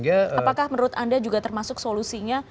apakah menurut anda juga termasuk solusinya